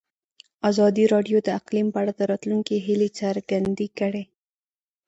ازادي راډیو د اقلیم په اړه د راتلونکي هیلې څرګندې کړې.